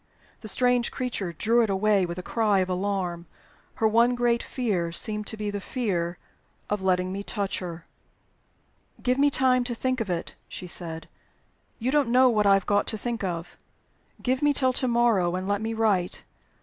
The strange creature drew it away with a cry of alarm: her one great fear seemed to be the fear of letting me touch her. "Give me time to think of it," she said. "You don't know what I have got to think of. Give me till to morrow; and let me write.